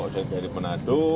ini yang ada dari manado